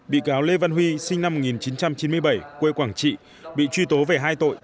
bị cáo lê văn huy sinh năm một nghìn chín trăm chín mươi bảy quê quảng trị bị truy tố về hai tội